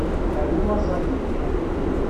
Rnu aẓalim.